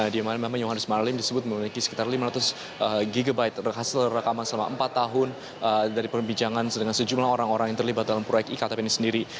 dianya ahri frianto yohannes marlim memiliki sekitar lima ratus gb hasil rekaman selama empat tahun dari pembicaraan dengan sejumlah orang orang yang terlibat dalam proyek iktp ini sendiri